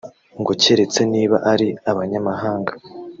ngo keretse niba ari abanyamahanga